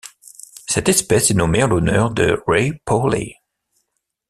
Cette espèce est nommée en l'honneur de Ray Pawley.